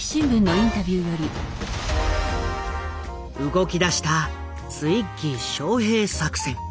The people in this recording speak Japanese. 動きだしたツイッギー招聘作戦。